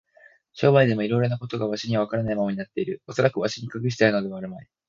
商売でもいろいろなことがわしにはわからないままになっている。おそらくわしに隠してあるのではあるまい。